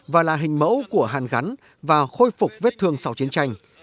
và là hình mẫu của hàn gắn và khôi phục vết thương sau chiến tranh